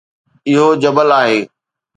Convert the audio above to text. اهو جبل آهي